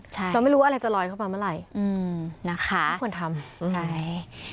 เราไม่รู้ว่าอะไรจะลอยเข้ามาเมื่อไหร่ทุกคนทำนะคะใช่